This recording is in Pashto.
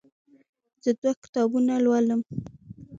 زه دوه کتابونه لولم.